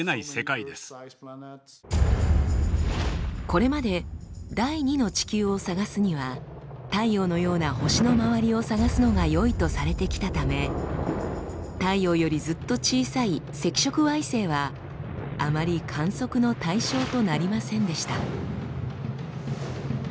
これまで第２の地球を探すには太陽のような星の周りを探すのがよいとされてきたため太陽よりずっと小さい赤色矮星はあまり観測の対象となりませんでした。